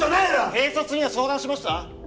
警察には相談しました？